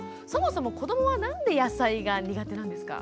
そもそも子どもは何で野菜が苦手なんですか？